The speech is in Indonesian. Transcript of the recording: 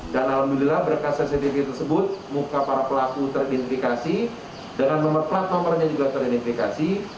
dan alhamdulillah berkasar sendiri tersebut muka para pelaku teridentifikasi dan nomor plat nomornya juga teridentifikasi